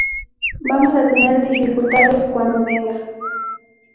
Vamos a tener dificultades cuando venga.